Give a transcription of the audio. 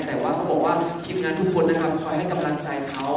แต่ว่าเขาบอกว่าทีมงานทุกคนนะครับคอยให้กำลังใจเขา